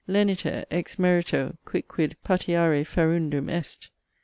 'Leniter, ex merito quicquid patiare ferundum est.'